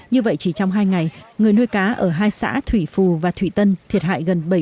như vậy chỉ trong hai ngày người nuôi cá ở hai xã thủy phù và thủy tân cũng chết